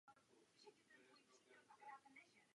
Kráter je pojmenován po městě v Bosně a Hercegovině.